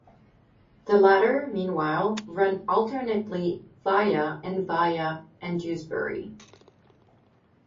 The latter meanwhile run alternately via and via and Dewsbury.